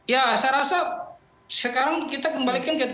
ya saya rasa sekarang kita kembalikan ke tp